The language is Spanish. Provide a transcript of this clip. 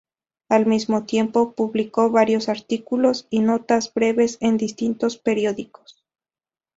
Al mismo tiempo, publicó varios artículos y notas breves en distintos periódicos.